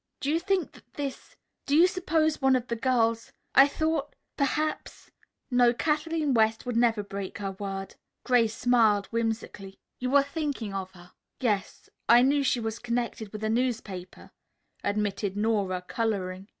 "Do you that is do you suppose one of the girls I thought perhaps " "No, Kathleen West would never break her word." Grace smiled whimsically. "You were thinking of her?" "Yes; I knew she was connected with a newspaper," admitted Nora, coloring.